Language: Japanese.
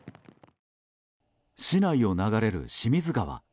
市内を流れる清水川。